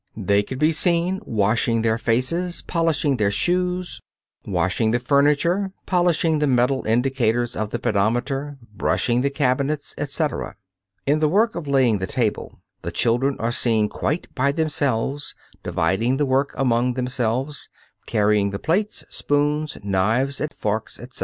They can be seen washing their faces, polishing their shoes, washing the furniture, polishing the metal indicators of the pedometer, brushing the carpets, etc. In the work of laying the table the children are seen quite by themselves, dividing the work among themselves, carrying the plates, spoons, knives and forks, etc.